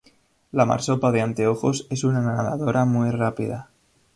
La marsopa de anteojos es una nadadora muy rápida.